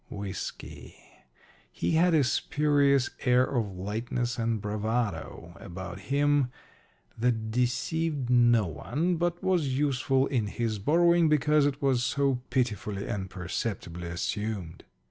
Whiskey. He had a spurious air of lightness and bravado about him that deceived no one, but was useful in his borrowing because it was so pitifully and perceptibly assumed.